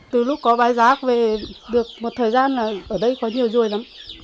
từ lúc có bài giác về được một thời gian là ở đây có nhiều rùi lắm